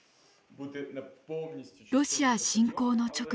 ロシア侵攻の直後